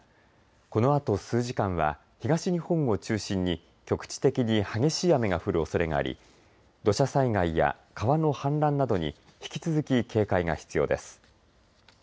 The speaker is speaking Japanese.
このあと数時間は東日本を中心に局地的に激しい雨が降るおそれがあり土砂災害や川の氾濫などに引き続き警戒が必要です。